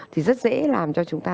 thì rất dễ làm cho chúng ta